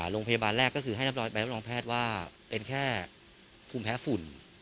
โรงพยาบาลแรกก็คือให้ใบรับรองแพทย์ว่าเป็นแค่ภูมิแพ้ฝุ่น